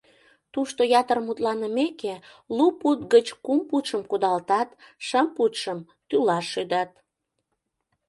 Тушто ятыр мутланымеке, лу пуд гыч кум пудшым кудалтат, шым пудшым тӱлаш шӱдат.